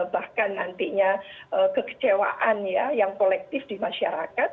bahkan nantinya kekecewaan ya yang kolektif di masyarakat